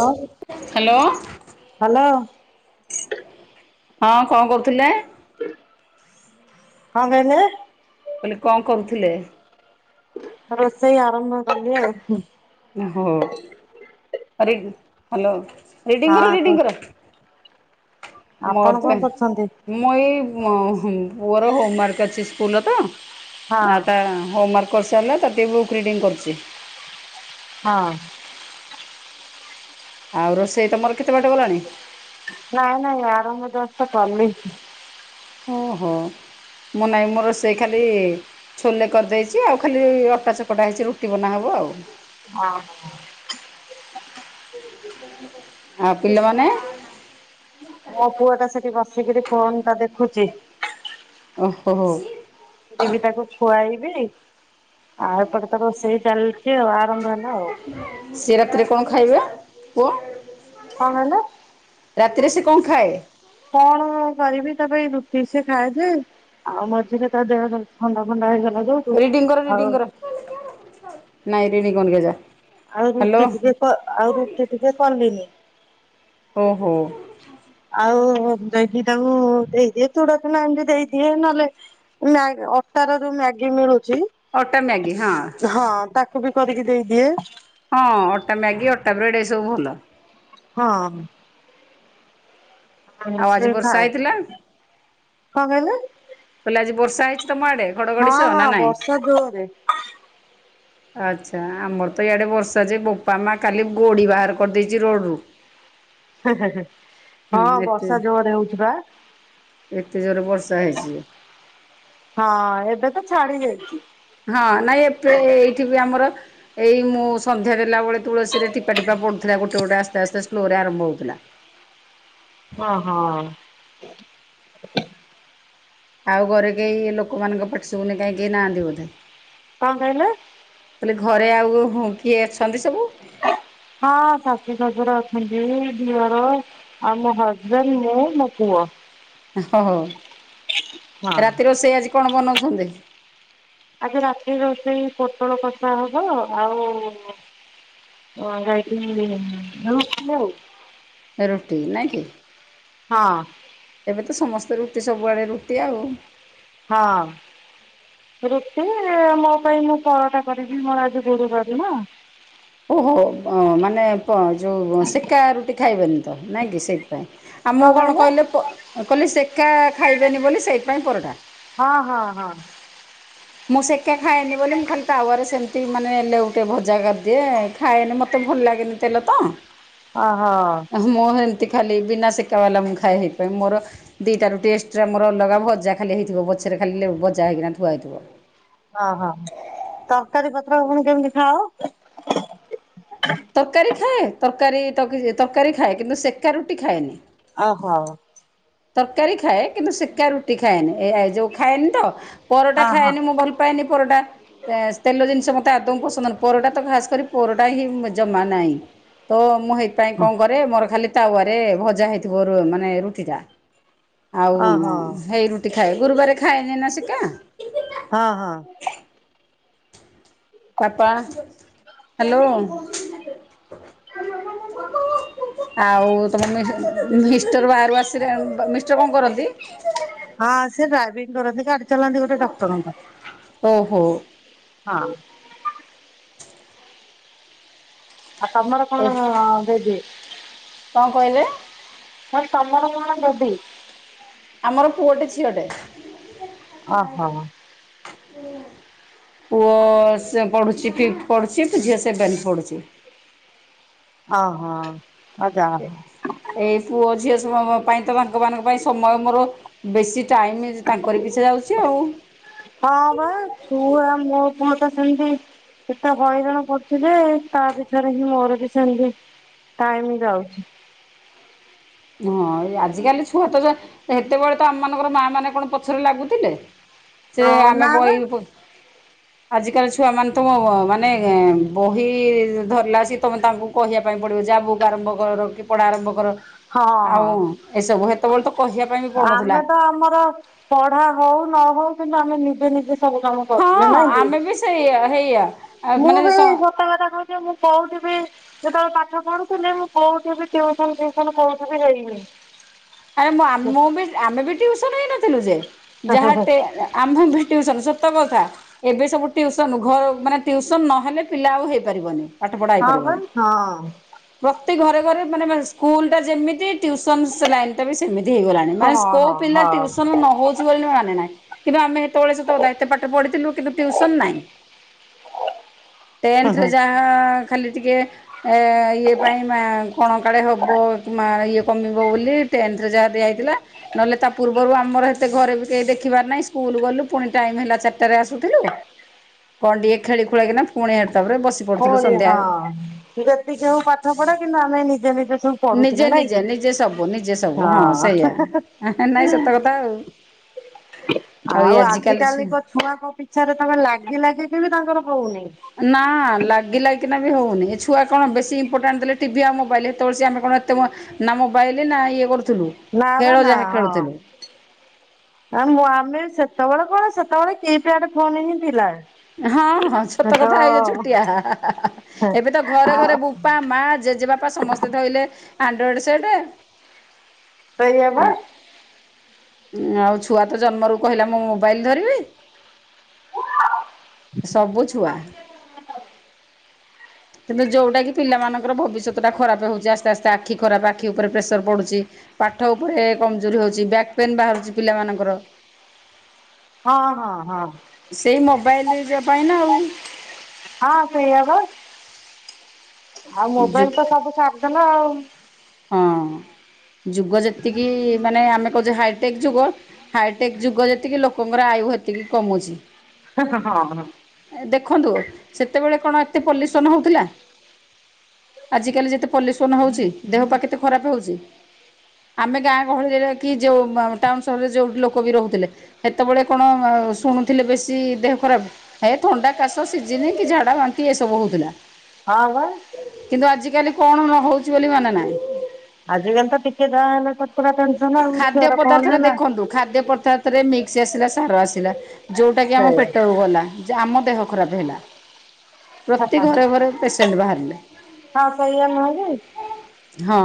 ହଉ hello. Hello ହଁ କଣ କରୁଥିଲେ? କଣ କହିଲେ? ମାନେ କଣ କରୁଥିଲେ? ରୋଷେଇ ଆରମ୍ଭ କରିଲି ଆଉ ହୁଁ। ହଉ ହ୍ୟାଲୋ ରିଡିଙ୍ଗ ହଁ କର କୁ ରିଡିଙ୍ଗ କର ଆପଣ ମୋର କଣ ତ କରୁଛନ୍ତି? ମୁଁ ଏଇ ପୁଅର ହୋମବାର୍କ ଅଛି ସ୍କୁଲର ତ ହଁ ନା ତା ହୋମ ୱାର୍କ କରିସାରିଲା ତା ବି ବୁକ୍ ରିଡିଙ୍ଗ କରୁଛି। ହଁ। ଆଉ ରୋଷେଇ ତୁମର କେତେ ବାଟ ଗଲାଣି? ନାଇଁ ନାଇଁ ଆରମ୍ଭ ଜଷ୍ଟ ଚାଲିଛି। ଓ ହୋ ମୁଁ ନାଇଁ ମୋର ରୋଷେଇ ଖାଲି ଛୋଲେ କରିଦେଇଛି ଆଉ ଖାଲି ଅଟା ଚକଟା ହେଇଛି ରୁଟି ବନାହବ ଆଉ। ଅହଁ। [inaudible] ଆଉ ପିଲାମାନେ? ମୋ ପୁଅ ଟା ସେଠି ବସିକିରି ଫୋନ ଟା ଦେଖୁଛି। ଓହୋ ହୋ। ଜିବି ତାକୁ ଖୁଆଇବି ଆଉ ଏପଟେ ତ ରୋସେଇ ଚାଲିଛି ଆଉ ଆରମ୍ଭ ହେଲା ଆଉ। ସେ ରାତିରେ କଣ ଖାଇବା ପୁଅ। କଣ ହେଲା। ରାତିରେ ସେ କଣ ଖାଏ? କଣ କରିବି ତାପାଇଁ ରୁଟି ସିଏ ଖାଏ ଯେ। ଆଉ ମଝିରେ ତା ଦେହ ଥଣ୍ଡା ଫଣ୍ଡା ହେଇଗଲା। ଯୋଉଠୁ ରିଡିଙ୍ଗ କର ଆଉ ରିଡିଙ୍ଗ କର ନାଇଁ ରିଡିଙ୍ଗ କର କେ ଯା। ଆଉ ହ୍ୟାଲୋ ରୁଟି ଟିକେ କ ଆଉ ରୁଟି ଟିକେ କଲିନି। ଓ ହୋଁ। ଆଉ ଯକି ତାଙ୍କୁ ଦେଇଦିଏ ଚୂଡ଼ା ଚୁନା ଏମିତି ଦେଇଦିଏ ନହେଲେ [unintelligible] ଅଟା ର ଯୋଉ ମ୍ୟାଗି ମିଳୁଛି ଅଟା ମ୍ୟାଗି ହଁ। ହଁ ତାକୁ ବି କରିକି ଦେଇଦିଏ। ହଁ ଅଟା ମ୍ୟାଗି ଅଟା ବ୍ରେଡ ଏ ସବୁ ଭଲ। ହଁ। ଆଉ ଆଜି [unintelligible] ବର୍ଷା କଣ ହେଇଥିଲା କହିଲେ। କହିଲେ ଆଜି ବର୍ଷା ହେଇଛି ତମ ଆଡେ ଘଡଘଡି ହଁ ସହ ହଁ ନା ନାଇଁ? ବର୍ଷା ଜୋରେ ଆଚ୍ଛା ଆମର ତ ଇଆଡ଼େ ବର୍ଷା ଯେ ବୋପା ମା କାଲି ଗୋଡ଼ି ବାହାର କରିଦେଇଛି ରୋଡ଼ରୁ। [unintelligible] ହେ ହେ। ହଁ ବର୍ଷା ଜୋରେ ହଉଛି ବା। ଏତେ ଜୋରରେ ବର୍ଷା ହେଇଛି ବେ। ହଁ ଏବେ ତ ଛାଡି ଯାଇଛି ହଁ ନାଇଁ ଏବେ ଏଇଠି ବି ଆମର ଏଇ ମୁଁ ସନ୍ଧ୍ୟା ଦେଲାବେଳେ ତୁଳସୀରେ ଟିପାଟିପା ପଡୁଥିଲା ଗୋଟେ ଗୋଟେ ଆସ୍ତେ ଆସ୍ତେ ସ୍ଲୋ ରେ ଆରମ୍ଭ ହଉଥିଲା। ହଁ ହଁ। ଆଉ ଘରେ କେହି ଲୋକମାନଙ୍କ ପାଟିଶୁଭୁନି କାହିଁ କେହି ନାହାନ୍ତି ବୋଧେ। କଣ କହିଲେ? କହଲେ ଘରେ ଆଉ କିଏ ଅଛନ୍ତି ସବୁ ହଁ ଶାଶୁ ଶଶୁର ଅଛନ୍ତି। ଦିଅର ଆଉ ମୋ ହଜବେଣ୍ଡ ମୁଁ ମୋ ପୁଅ। ହ ହୋ ହଁ ରାତି ରୋଷଇ ଆଜି କଣ ବନଉଛନ୍ତି? ଆଜି ରାତି ରୋଷେଇ ପୋଟଳ କଷା ହବ ଆଉ ହଁ [unintelligible] ରୁଟି ଆଉ। ରୁଟି ନାହି କି। ହଁ। ଏବେ ତ ସମସ୍ତେ ରୁଟି ସବୁଆଡେ ରୁଟି ଆଉ। ହଁ। ରୁଟି ମୋ ପାଇଁ ମୁଁ ପରଟା କରିବି ମୋର ଆଜି ଗୁରୁବାର ନା। ଓହୋ ମାନେ ପ ଯୋଉ ସେକା ରୁଟି ଖାଇବେନି ତ ନାଇଁ କି ସେଇଥିପାଇଁ। ଆମକୁ କଣ କହିଲେ ପ କହିଲେ ସେକା ଖାଇବେନି ବୋଲି ସେଇଥ୍ ପାଇଁ ପରଠା। ହଁ ହଁ ହଁ। ମୁଁ ସେକା ଖାଏନି ବୋଲି ମୁଁ ଖାଲି ତାୱରେ ସେମିତି ମାନେ ଲେଉଟେ ଭଜା କରିଦିଏ ଖାଏନି ମତେ ଭଲ ଲାଗେନି। ତେଲ ତ। ଅହ। ମୁଁ ଏମିତି ଖାଲି ବିନା ସେକା ବାଲା ମୁଁ ଖାଏ ହେଇଥି ପାଇଁଁ ମୋର। ଦିଟା ରୁଟି ଏକ୍ସଟ୍ରା ମୋର ଅଲଗା ଭଜା ଖାଲି ହେଇଥିବ ପଛରେ ଖାଲି ଭଜା ହେଇକିନା ଥୁଆ ହେଇଥିବ। ହଁ ହଁ ତରକାରୀ ପତ୍ର ପୁଣି କେମିତି ଖାଅ? ତରକାରୀ ଖାଏ ତରକାରୀ ତ ତରକାରୀ ଖାଏ କିନ୍ତୁ ସେକା ରୁଟି ଖାଏନି। ଅହ। ତରକାରୀ ଖାଏ କିନ୍ତୁ ସେକା ରୁଟି ଖାଏନି ଏ ଏ ଯୋଉ ଖାଏନି ତ ହଁ ପରଟା ହଁ ଖାଏନି। ମୁଁ ଭଲ ପାଏନି ପରଟା। ତେ ତେଲ ଜିନିଷ ମୋତେ ଆଦୌ ପସନ୍ଦ ନୁହ ପରଟା ତ ଖାସ୍ କରି ପରଟା ହିଁ ଜମା ନାହିଁ। ତ ମୁଁ ହେଇଥିପାଇଁ ଓହୋ। କଣ କରେ ମୋର ଖାଲି ତାୱରେ ଭଜା ହେଇଥିବ ରୁ ମାନେ ରୁଟି ଟା। ଆଉ ମ ହଁ ହେଇ ରୁଟି ଖାଏ ଗୁରୁବାର ଖାଏନି ନା ସେକା। ହଁ ହଁ। Papa hello. ଆଉ ତମ ମିଷ୍ଟର ବାହାରୁ ଆସିଲେ ମିଷ୍ଟର କଣ କରନ୍ତି? ହଁ ସେ ଡ୍ରାଇଭିଙ୍ଗ କରନ୍ତି ଗାଡି ଚଲାନ୍ତି ଗୋଟେ ଡକ୍ଟରଙ୍କ। ଓହୋ ହଁ। ଆଉ ତମର ଏ କଣ ବେବି। କଣ କହିଲେ? ଫାଷ୍ଟ ତମର କଣ ବେବି? ଆମର ପୁଅଟେ ଝିଅଟେ। ଅହ। ପୁଅ ସେ ପଢୁଛି ଫିଫ୍‌ଥ୍ ପଢୁଛି ତ ଝିଅ ସେଭେନ୍‌ଥ୍ ପଢୁଛି। ଅହ ଆଉ ଜାହା ହଉ। ଏଇ ପୁଅ ଝିଅ [unintelligible] ପାଇଁ ତ ତାଙ୍କ ମାନଙ୍କ ପାଇଁ ସମୟ ମୋର ବେଶୀ ଟାଇମ୍ ତାଙ୍କରି ପିଛା ଯାଉଛି ଆଉ। ହଁ ବା ପୁଆ ମୋ ପୁଅ ତ ସେମତି। କେତେ ହଇରାଣ କରୁଛି ଯେ ତା ପିଛାରେ ହିଁ ମୋର ବି ସେମତି ଟାଇମ୍ ଯାଉଛି। ହଁ ଆଜିକାଲି ଛୁଆ ତ ଯା ହେତେବଳେ ତ ଆମ ମାନଙ୍କର ମା ମାନେ କଣ ପଛରେ ଲାଗୁଥିଲେ। ସେ ହଁ ଆମେ ନା ବା ବହି ଆଜିକାଲି ଛୁଆ ମାନେ ତ ମ-ମ ମାନେ ବହି ଧରିଲା ସି ତମେ ତାଙ୍କୁ କହିବା ପାଇଁ ପଡିବ ଯାଆ ବୁକ ଆରମ୍ଭ କର କି ପଢା ଆରମ୍ଭ କର। ହଁ ହଁ ଆଉ ଏସବୁ ହେତେବେଳେ ତ କହିବା ପାଇଁ ବି ପଡ଼ୁନଥିଲା ଆମେ ତ ଆମର ପଢା ହୋଉ ନ ହୋଉ କିନ୍ତୁ ଆମେ ନିଜେ ନିଜେ ସବୁ କାମ କରୁ ହଁ ଥିଲେ ନାଇଁ କି ଆମେ ବି ସେଇ ହେଇଆ ମୁଁ ମାନେ ବି ସତ କଥା କ [unintelligible] ମୁଁ କୋଉଠି ବି ଯେତେବେଳେ ପାଠ ପଢୁଥିଲି ମୁଁ କୋଉଠି ବି ଟିଉସନ ସନ କୋଉଠି ବି ହେଇନି। ଆରେ ଆମ ଆମେ ବି ଟିଉସନ ହେଇନଥିଲୁ ଯେ ଯାହା ଟେନ୍ ଆମେଭି ଟିଉସନ୍ ସତ କଥା। ଏବେ ସବୁ ଟିଉସନ୍ ଘ ମାନେ ଟିଉସନ୍ ନହେଲେ ପିଲା ଆଉ ହେଇପାରିବନି। ପାଠପଢ଼ା ହଁ ବା ହେଇପାରିବନି। ହଁ ପ୍ରତି ଘରେ-ଘରେ ମାନେ ସ୍କୁଲ୍ ଟା ଯେମିତି ଟ୍ୟୁସନ୍ ସେ ଲାଇନ୍ ଟା ବି ସେମିତି ହେଇଗଲାଣି, ମାନେ ହଁ କୋଉ ହଁ ପିଲା ହଁ। ଟ୍ୟୁସନ୍ ନ ହଉ ଚି ବୋଲି ମାନେ ନାହିଁ, କେବେ ଆମେ ସେତବଳେ ଦାୟିତ୍ଵ ପାଠ ପଢ଼ିଥିଲୁ କିନ୍ତୁ ଟ୍ୟୁସନ ନାଇଁ। ଟେନ୍ଥରେ ଯାହା ଖାଲି ଟିକେ ଏ ଇଏ ପାଇଁ ମା କଣ କାଳେ ହବ ମା ଇଏ କମିବ ବୋଲି ଟେନ୍ଥ ରେ ଯାହା ଦିଆ ହେଇଥିଲା। ନହେଲେ ତା ପୂର୍ବରୁ ଆମର ଏତେ ଘରେ ବି କେହି ଦେଖିବାର ନାହିଁ ସ୍କୁଲ୍ ଗଲୁ ପୁଣି ଟାଇମ୍ ହେଲା ଚାରିଟାରେ ଆସୁଥିଲୁ। କଣ ଟିକେ ଖେଳି ଖୁଳା କିନା ପୁଣି [unintelligible] ତାପରେ ବସିିବୁ। ଫୁଣି ହଁ ଯେତିକି ହଉ ପାଠପଢା କିନ୍ତୁ ଆମେ ନିଜେ-ନିଜେ ସବୁ ପଢ଼ୁଥିଲେ ନିଜେ ନାଇଁ କି, ନିଜେ ନିଜେ ସବୁ ନିଜେ ସବୁ ହଁ ସେଇଆ ହେ-ହେ-ହେ। ନାଇଁ ସତ କଥା ଆଉ। ଆଉ ଆଜିକାଲି କ ଛୁଆଙ୍କ ପିଛାରେ ତମେ ଲାଗି-ଲାଗି କି ବି ତାଙ୍କର ହଉନି। ନାଁ ଲାଗି ଲାଗି କିିନା ବି ହଉନି, ଏ ଛୁଆ କଣ ବେଶୀ ଇମ୍ପୋର୍ଟାଣ୍ଟ ଦେଲେ ଟିଭି ଆଉ ମୋବାଇଲ୍ ସେତେବେଳେ ସେ ଆମେ କଣ ଏତେ ନା ମୋ ବାଇଲେ ନା ଇଏ କରୁଥିଲୁ। ନା ବା ଖେଳ ନା ଯାହା ହଁ। ଖେଳୁଥିଲୁ। ଆ ମୁଁ ଆମେ ସେତବଳେ କଣ ସେତବଳେ କି ପ୍ୟାଡ ଫୋନ୍ ହିଁ ଥିଲା। ହଁ ହଁ ତ ସତ କଥା, ଏଯୋଉ ଛୋଟିଆ ହା-ହା-ହା-ହା। ଏବେ ତ ଘରେ ଆଉ ଘରେ ବୁପା ମା ଜେଜେବାପା ସମ ସ୍ତେ ଧଇଲେ ଆଣ୍ଡରୋଏଡ୍ ସେଟେ। ସେଇଆ ବା। ଆଉ ଛୁଆ ତ ଜନ୍ମରୁ କହିଲା ମୁଁ ମୋବାଇଲ୍ ଧରିବି। ସବୁ ଛୁଆ କିନ୍ତୁ ଯୋଉଟାକି ପିଲାମାନଙ୍କର ଭବିଷ୍ୟତଟା ଖରାପେ ହଉଚି, ଆସ୍ତେ-ଆସ୍ତେ ଆଖି ଖରାପେ ଆଖି ଉପରେ ପ୍ରେସର ପଡ଼ୁଚି ପାଠ ଉପରେ କମଜୋରି ହଉଚି, ବ୍ୟାକ୍ ପେନ୍ ବାହାରୁଚି ପିଲାମାନଙ୍କର। ହଁ-ହଁ-ହଁ। ସେଇ ମୋବାଇଲି ଯ ପାଇଁ ନା ଆଉ। ହଁ ସେଇଆ ବା, ଆଉ ଯୁ ମୋବାଇଲ୍ ତ ସବୁ ସାରିଦେଲା ଆଉ। ହଁ, ଯୁଗ ଯେତିକି ମାନେ ଆମେ କହୁଚେ ହାଇଟେକ୍ ଯୁଗ, ହାଇଟେକ୍ ଯୁଗ ଯେତିକି ଲୋକଙ୍କର ଆୟୁ ହେତିକି କମୁଚି। ହେ-ହେ-ହଁ-ହଁ। ଏ ଦେଖନ୍ତୁ ସେତେବେଳେ କଣ ଏତେ ପଲ୍ୟୁସନ୍ ହଉଥିଲା। ଆଜକାଲି ଯେତେ ପଲ୍ୟୁସନ୍ ହଉଚି ଦେହ ପା କେତେ ଖରାପେ ହଉଚି। ଆମେ ଗାଁ ଗହଳିରେ ରହିକି ଯୋଉ ଟାଉନ୍ ସହରରେ ଯୋଉଠି ଲୋକ ବି ରହୁଥିଲେ। ସେତବଳେ କଣ ଶୁଣୁଥିଲେ ବେଶୀ ଦେହ ଖରାପ୍। ଏ ଥଣ୍ଡା କାଶ ସିଜିନି କି ଝାଡା ବାନ୍ତି ଏସବୁ ହଉଥିଲା। ହଁ ବା। କିନ୍ତୁ ଆଜିକାଲି କଣ ନ ହଉଚି ବୋଲି ମାନେ ନାହିଁ। ଆଜିକାଲି ତ ଟିକେ ଯାହା ହେଲେ ପୁରା ଟେନ୍ସନ ଖାଦ୍ୟ ଆଉ [unintelligible] କଣ ପଦାର୍ଥରେ ହେଲା। ଦେଖନ୍ତୁ ଖାଦ୍ୟ ପଦାର୍ଥରେ ମିକ୍ସ ଆସିଲା ସାର ଆସିଲା ଯୋଉଟା କିି ଆମ ସେଇଆ। ପେଟକୁ ଗଲା। ଯେ ଆମ ଦେହ ଖରାପେ ହେଲା। ପ୍ରତି ଘରେ-ଘରେ ପେସେଣ୍ଟ ବାହାରିଲେ। ହଁ ସେଇଆ ନୁହେଁ କି ହଁ।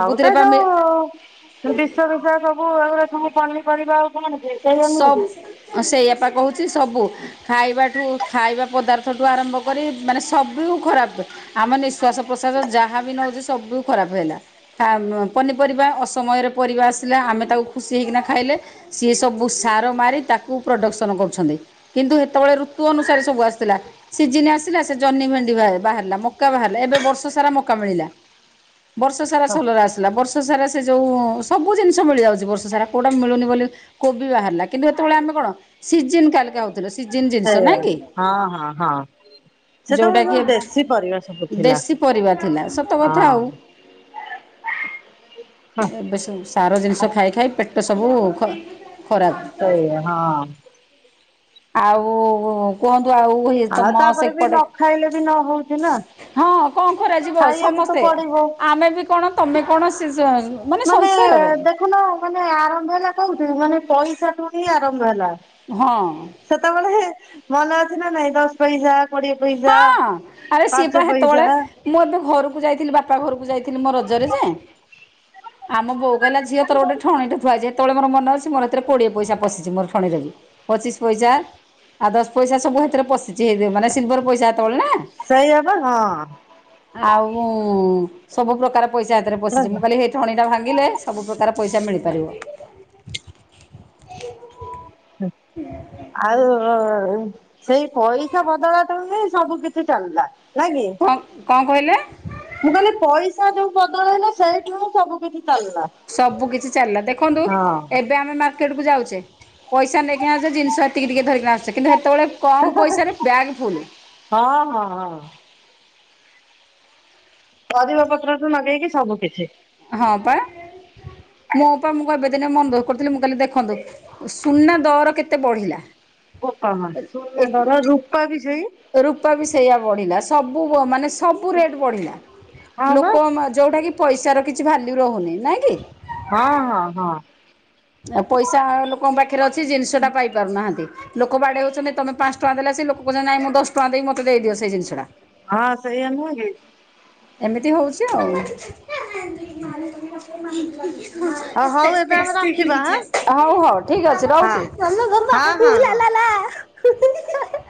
ହବ ତ ଏ ବା ମି ଯୋଉ ବିଷ ରୂପା ସବୁ ଏଉରା ସବୁ ପନିପରିବା ଆଉ କଣକି ସବ୍ ଆଁ ସେଇୟାପା କହୁଛି ସବୁ। ଖାଇବାଠୁ ଖାଇବା ପଦାର୍ଥ ଠୁ ଆରମ୍ଭ କରି ମାନେ ସବୁ ଖରାପ। ଆମ ନିଶ୍ୱାସ ପ୍ରଶ୍ୱାସ ଯାହାବି ନଉଚି ସବୁ ଖରାପ ହେଲା। ଖା ପନିପରିବା ଅସମୟରେ ପରିବା ଆସିଲା ଆମେ ତାକୁ ଖୁସି ହେଇକିନା ଖାଇଲେ ସିଏ ସ ସବୁ ସାର ମାରି ତାକୁ ପ୍ରଡକ୍ସନ କରୁଛନ୍ତି କିନ୍ତୁ ହେତେବଳେ ଋତୁ ଅନୁସାରେ ସବୁ ଆସିଥିଲା। ସିଜିନ ଆସିଲା ସେ ଜହ୍ନି, ଭେଣ୍ଡି ବାବାହାରିଲା ମକା ବାହାରିଲା ଏବେ ବର୍ଷ ସାରା ମକା ମିଳିଲା। ବର୍ଷ ସାରା ସୋଲର ଆସ୍ ଥିଲା ବର୍ଷ ସାରା ସେ ଯୋଉ ସବୁ ଜିନିଷ ମିଳି ଯାଉଚି ବର୍ଷ ସାରା କୋଉଟା ମିଳୁନି ବୋଲି କୋବି ବାହାରିଲା କିନ୍ତୁ ହେତବେଳେ ଆମେ କଣ ସିଜିନ୍ କାଲକା ହ ଥିଲୁ ସିଜନ୍ ଜିନିଷ ନା ସେଇଆ କି? ହଁ ହଁ ହଁ ସେତେବେଳେ ଯୋଉଟାକିି ସବୁ ଦେଶୀ ପରିବା ସବୁ ଏ ଥିଲା। ଦେଶୀ ପରିବା ଥିଲା ସତ କଥା ଆଉ। ହଁ ଏବେ ସବୁ ସାର ଜିନିଷ ଖାଇ ଖାଇ ପେଟ ସବୁ ଖ ଖରାପ। ସେୟା ହଁ। ଆଉ କୁହନ୍ତୁ ଆଉ ହେ ଆଉ ତମ ତାପରେ ବି ନ ସେପଟେ ଖାଇଲେ ବି ନ ହଉଛି ନା ହଁ କଁ କରାଯିବ ଖାଇବାକୁ ତ ସମସ୍ତେ ପଡିବ ଆମେବି କଣ ତମେ କଣ ସିଜ ମାନେ ଦେଖୁନ ମାନେ ଆରମ୍ଭ ହେଲା କୋଉଠୁ ମାନେ ପଇସାଠୁ ହିଁ ଆରମ୍ଭ ହେଲା। ହଁ। ସେତବେଳେ ମନେ ଅଛି ନା ନାଇଁ ଦଶ ପଇସା, କୋଡିଏ ପଇସା। ହଁ ଆରେ ସିଏପା ପାଞ୍ଚ ହେତବଳେ ପଇସା ମୁଁ ଏବେ ଘରୁକୁ ଯାଇଥିଲି ବାପା ଘରୁକୁ ଯାଇଥିଲି ମୋ ରଜରେ ଯେ ଆମ ବୋଉ କହିଲା ଝିଅ ତୋର ଗୋଟେ ଠଣିଟେ ଥୁଆ ହେଇଛି ହେ ହେତବେଳେ ମୋର ମନ ଅଛି ମୋର ହେଥେରେ କୋଡିଏ ପଇସା ପସିଚି ମୋର ଠଣିରେ ବି ପଚିଶ ପଇସା ଆ ଦଶ ପଇସା ସବୁ ହେଥେରେ ପଶିଚି ହେଇ ମାନେ ସିଲଭର ପଇସା ହେତବେଳେ ନା। ସେୟାପା ହଁ। ଆଉ ସବୁ ପ୍ରକାର ପଇସା ହେତେରେ ପଶିଚି ମୁଁ କଇଲି ହେ ଠଣିଟା ଭାଙ୍ଗିଲେ ସବୁ ପ୍ରକାର ପଇସା ମିଳିପାରିବ। ହୁଁ ଆଉ ସେଇ ପଇସା ବଦଳାଟୁ ହିଁ ସବୁ କି ଛି ଚାଲିଲା ନାଇ କି? କଣ କଣ କହିଲେ? ମୁଁ କଇଲି ପଇସା ଯୋଉ ବଦଳେଇଲ ସେଇଠୁ ହିଁ ସବୁ କିଛି ଚାଲିଲା। ସବୁ କିଛି ଚାଲିଲା ଦେଖନ୍ତୁ ହଁ ଏ ବେ ଆମେ ମାର୍କେଟକୁୁ ଯାଉଚେ ପଇସା ନେଇକି ଆସେ ଜିନିଷ ଏତିକି ଟିକେ ଧରିକିନା ଆସୁଚେ କିନ୍ତୁ ହେତବେଳେ କମ୍ ପଇସାରେ ବ୍ୟାଗ୍ ଫୁଲୁ। ହଁ ହଁ ହଁ। ପରିବା ପତ୍ର କୁ ନଗେଇକି ସବୁ କିଛି। ହଁ ପା ମୁଁ ପା ମୁଁପା ଏବେ ଦିନେ ମନଦୁଃଖ କରୁଥିଲି ମୁଁ କହିଲି ଦେଖନ୍ତୁ ସୁନା ଦର କେତେ ବଢିଲା? ଉପମା ସୁନା ଦର ରୂପା ବି ସେଇ। ରୂପା ବି ସେଇଆ ବଢିଲା ସବୁ ଗୋ ମାନେ ସ୍ ସବୁ ରେଟ୍ ବଢିଲା ହଁ ବା ଲୋକ ମା ଯଉଟା କିି ପଇସାର କିଛି ଭ୍ୟାଲ୍ୟୁ ରହୁନି ନାଇଁ କି? ହଁ ହଁ ହଁ। ଆ ପଇସା ଲୋକଙ୍କ ପାଖରେ ଅଛି ଜିନିଷଟା ପାଇ ପାରୁନାହାନ୍ତି। ଲୋକ ବାଡେଇ ହଉଚନି ତମେ ପାଞ୍ଚ ଟଙ୍କା ଦେଲେ ଆସିକି ଲୋକ କହୁଚନି ନାଇଁ ମୁଁ ଦଶଟଙ୍କା ଦେଇ ମତେ ଦେଇଦିଅ ସେଇ ଜିନିଷଟା। ହଁ ସେୟା ନୁଏକି। ଏମିତି ହଉଛି ଆଉ ହଉ ଏବେ ଆମେ ରଖିବା ଆଁ ହଉ ଠିକ ହଁ ଅଛି ହଁ ହଁ ହଁ। ରହୁଛି? [inaudible]